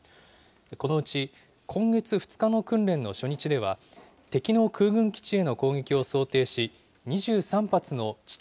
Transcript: このうち今月２日の訓練の初日では、敵の空軍基地への攻撃を想定し、２３発の地